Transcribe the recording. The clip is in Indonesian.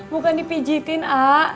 bukan dipijitin ah